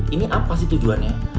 ini apa sih tujuannya